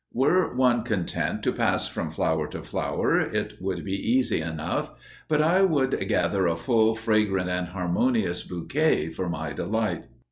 Were one content to pass from flower to flower it would be easy enough, but I would gather a full, fragrant and harmonious bouquet for my delight.